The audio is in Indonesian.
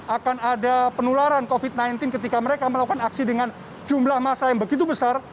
akan ada penularan covid sembilan belas ketika mereka melakukan aksi dengan jumlah masa yang begitu besar